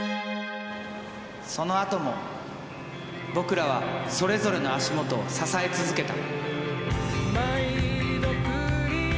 そのあとも僕らはそれぞれの足元を支え続けた。